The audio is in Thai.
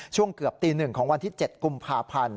ช่วงเกือบตี๑ของวันที่๗กุมภาพันธ์